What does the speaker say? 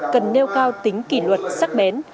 cần nêu cao tính kỷ luật sắc bén